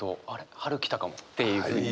春来たかもっていうふうに。